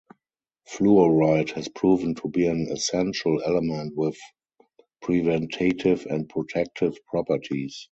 Fluoride has proven to be an essential element with preventative and protective properties.